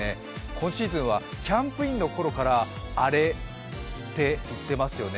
今シーズンはキャンプインの頃からアレって言っていますよね。